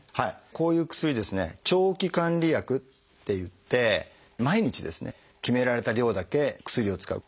こういう薬ですね「長期管理薬」っていって毎日決められた量だけ薬を使う。